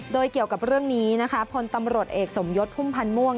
โดยเกี่ยวกับเรื่องนี้นะคะพลตำรวจเอกสมยศพุ่มพันธ์ม่วง